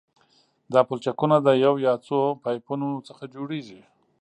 دا پلچکونه د یو یا څو پایپونو څخه جوړیږي